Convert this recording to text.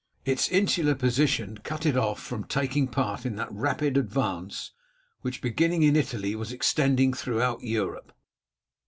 Its insular position cut it off from taking part in that rapid advance which, beginning in Italy, was extending throughout Europe.